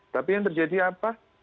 tapi yang terjadi apa